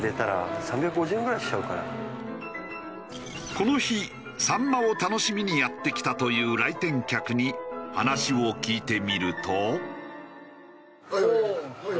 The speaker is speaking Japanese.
この日サンマを楽しみにやって来たという来店客に話を聞いてみると。